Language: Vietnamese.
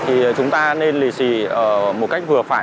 thì chúng ta nên lì xì ở một cách vừa phải